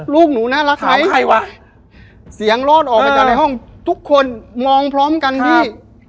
ลูกหนูน่ารักไหมใครวะเสียงรอดออกมาจากในห้องทุกคนมองพร้อมกันพี่